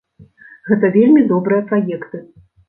Гэта вельмі добрыя праекты.